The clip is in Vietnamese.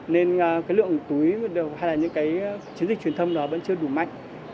nên cái lượng túi hay là những cái chiến dịch truyền thông đó vẫn chưa đủ mạnh